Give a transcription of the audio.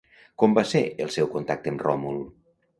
Com va ser el seu contacte amb Ròmul?